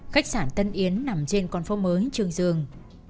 khách sạn tân yến nằm trên con phố mới trường dương